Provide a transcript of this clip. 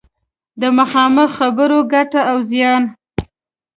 د مخامخ خبرو ګټه او زیان